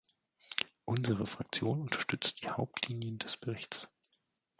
Unsere Fraktion unterstützt die Hauptlinien des Berichts.